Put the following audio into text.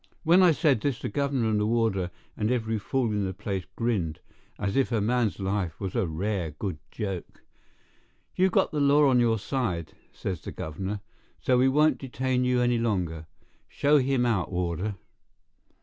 When I said this the governor and the warder and every fool in the place grinned, as if a man's life was a rare good joke. "You've got the law on your side," says the governor; "so we won't detain you any longer. Show him out, warder."